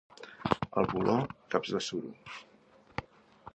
Al Voló, taps de suro.